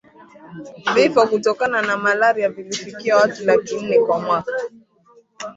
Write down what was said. vifo kutokana na malaria vilifikia watu laki nne kwa mwaka